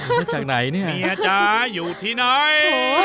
มาจากไหนเนี่ยเมียจ๊ะอยู่ที่ไหน